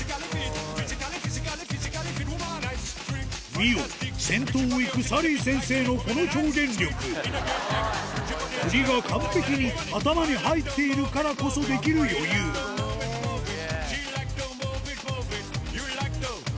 見よ先頭を行くＳＡＬＬＹ先生のこの表現力振りが完璧に頭に入っているからこそできる余裕スゲェ。